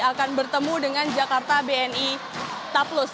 akan bertemu dengan jakarta bni taplus